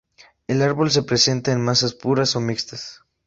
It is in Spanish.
El árbol se presenta en masas puras o mixtas.